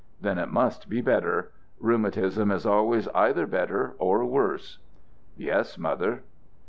"Then it must be better. Rheumatism is always either better or worse." "Yes, Mother."